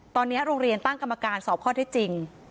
ตอนนี้โรงเรียนตั้งกรรมการสอบข้อที่จริง